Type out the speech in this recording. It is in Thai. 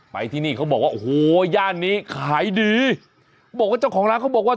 ไปที่นี่เขาบอกว่าโอ้โหย่านนี้ขายดีบอกว่าเจ้าของร้านเขาบอกว่า